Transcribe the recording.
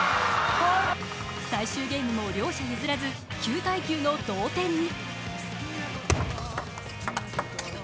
最終ゲームも両者譲らず、９−９の同点に。